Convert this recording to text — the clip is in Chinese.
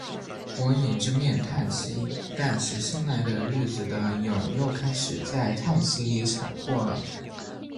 我掩着面叹息。但是新来的日子的影儿又开始在叹息里闪过了。